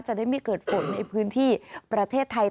จะได้ไม่เกิดฝนในพื้นที่ประเทศไทย